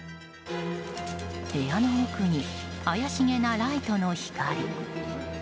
部屋の奥に怪しげなライトの光。